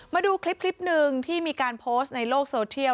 มาดูคลิปหนึ่งที่มีการโพสต์ในโลกโซเทียล